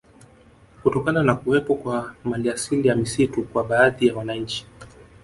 Kutokana na kuwepo kwa maliasili ya misitu kwa baadhi ya wananchi